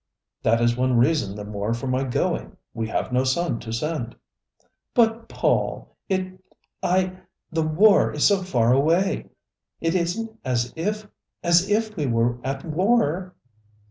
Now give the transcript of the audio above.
"That is one reason the more for my going we have no son to send." "But Paul it I the war is so far away! It isn't as if as if we were at war."